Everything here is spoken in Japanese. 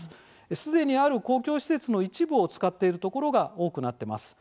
すでにある公共施設の一部を使っているところが多くなっています。